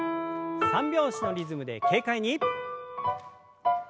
三拍子のリズムで軽快に。